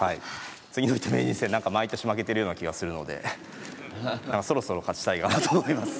「次の一手名人戦」なんか毎年負けてるような気がするのでそろそろ勝ちたいなと思います。